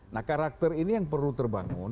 nah karakter ini yang perlu terbangun